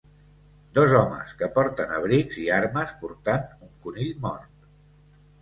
Dos homes que porten abrics i armes portant un conill mort.